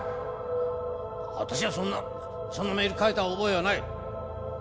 私はそんなそんなメール書いた覚えはない！